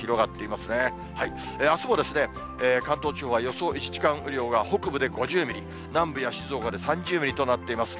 あすも関東地方は予想１時間雨量が北部で５０ミリ、南部や静岡で３０ミリとなっています。